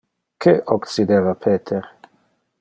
Que occideva Peter?